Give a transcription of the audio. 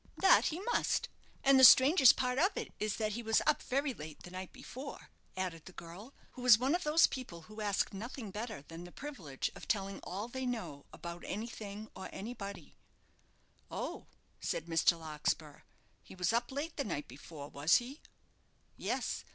"That he must; and the strangest part of it is that he was up very late the night before," added the girl, who was one of those people who ask nothing better than the privilege of telling all they know about anything or anybody. "Oh," said Mr. Larkspur; "he was up late the night before, was he?" "Yes.